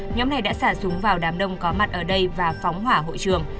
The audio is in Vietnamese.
nhóm này đã xả súng vào đám đông có mặt ở đây và phóng hỏa hội trường